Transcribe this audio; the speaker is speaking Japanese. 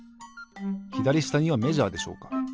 ひだりしたにはメジャーでしょうか？